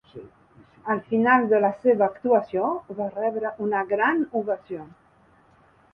Al final de la seva actuació va rebre una gran ovació.